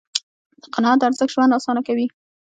د قناعت ارزښت ژوند آسانه کوي.